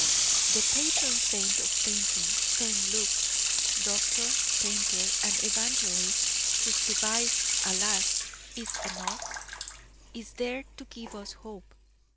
The patron saint of painting, St. Luke doctor, painter and evangelist, whose device, alas! is an ox is there to give us hope.